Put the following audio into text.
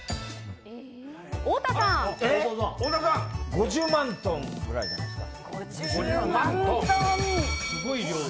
５０万トンぐらいじゃないですか？